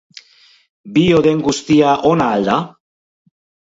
Bio den guztia ona al da?